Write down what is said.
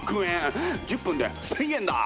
１０分で１，０００円だ！